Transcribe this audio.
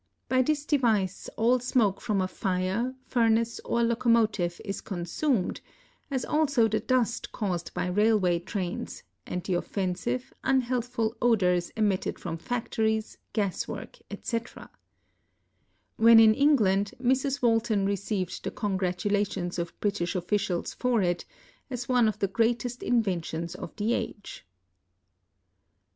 By this device all smoke from a fire, furnace, or locomo tive is consumed, as also the dust caused by railway trains, and the offensive, unhealthful odors emitted from factories, gas works, etc. When in England, Mrs. Walton received the con gratulations of British officials for it, as one of the greatest inventions of the age.